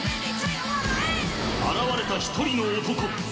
現れた１人の男。